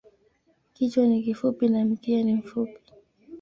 Kichwa ni kifupi na mkia ni mfupi.